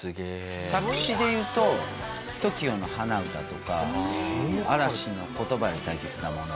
作詞でいうとＴＯＫＩＯの『花唄』とか嵐の『言葉より大切なもの』。